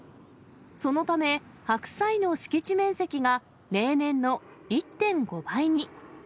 そのため、白菜の敷地面積が例年の１．５倍に。